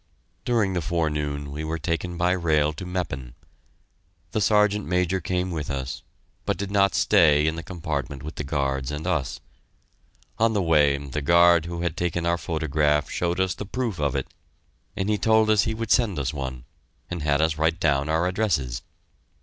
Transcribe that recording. During the forenoon we were taken by rail to Meppen. The Sergeant Major came with us, but did not stay in the compartment with the guards and us. On the way the guard who had taken our photograph showed us the proof of it, and told us he would send us one, and had us write down our addresses.